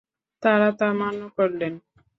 তাঁরা তা মান্য করলেন।